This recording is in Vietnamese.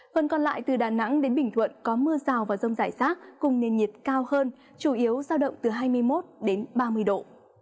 phần còn lại từ đà nẵng đến bình thuận có mưa rào và rông rải rác cùng nền nhiệt cao hơn chủ yếu giao động từ hai mươi một đến ba mươi độ